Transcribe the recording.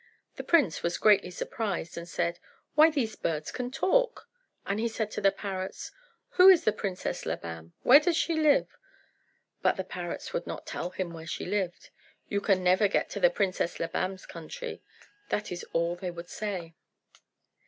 The prince was greatly surprised, and said, "Why, these birds can talk!" Then he said to the parrots, "Who is the Princess Labam? Where does she live?" But the parrots would not tell him where she lived. "You can never get to the Princess Labam's country." That is all they would say.